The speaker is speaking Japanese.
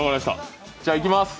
じゃあ、いきます